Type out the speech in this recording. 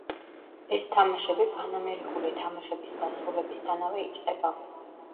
ეს თამაშები პანამერიკული თამაშების დასრულებისთანავე იწყება.